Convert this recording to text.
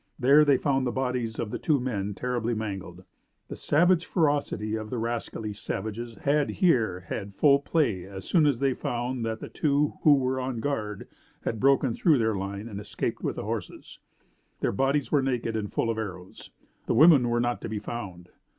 There they found the bodies of the two men terribly mangled. The savage ferocity of the rascally savages had here had full play as soon as they found that the two who were on guard had broken through their line and escaped with the horses. Their bodies were naked and full of arrows. The women were not to be found.